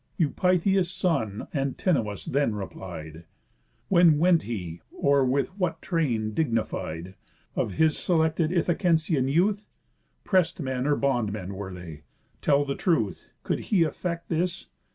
Eupitheus son, Antinous, then replied: "When went he, or with what train dignified? Of his selected Ithacensian youth? Prest men, or bond men, were they? Tell the truth. Could he effect this?